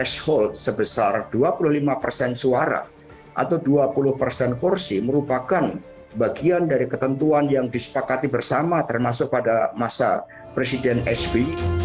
threshold sebesar dua puluh lima persen suara atau dua puluh persen kursi merupakan bagian dari ketentuan yang disepakati bersama termasuk pada masa presiden sbi